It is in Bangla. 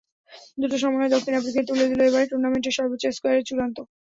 দুটোর সমন্বয় দক্ষিণ আফ্রিকাকে তুলে দিল এবারের টুর্নামেন্টের সর্বোচ্চ স্কোরের চূড়ায়।